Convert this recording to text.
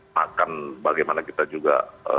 makan bagaimana kita juga